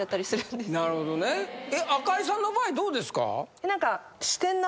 赤井さんの場合どうですか？